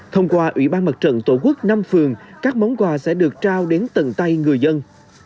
thông qua ủy ban mặt trận tổ quốc năm phường các món quà sẽ được trao đến tận tay người dân